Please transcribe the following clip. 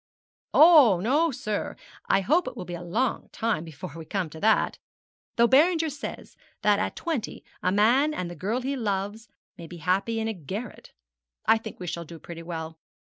'Oh, no, sir; I hope it will be a long time before we come to that though Beranger says that at twenty a man and the girl he loves may be happy in a garret. I think we shall do pretty well.